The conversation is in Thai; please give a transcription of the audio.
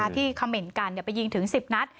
ที่เขาเหม็นกันไปยิงถึง๑๐นัด